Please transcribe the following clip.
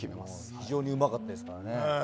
非常にうまかったですね。